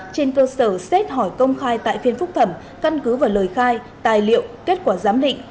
trên cơ sở xét hỏi công khai tại phiên phúc thẩm căn cứ vào lời khai tài liệu kết quả giám định